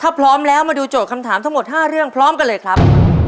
ถ้าพร้อมแล้วมาดูโจทย์คำถามทั้งหมด๕เรื่องพร้อมกันเลยครับ